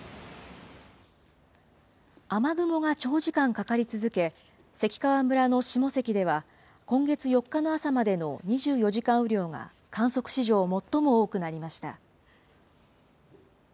雨雲が長時間かかり続け、関川村の下関では、今月４日の朝までの２４時間雨量が観測史上最も多くなりました。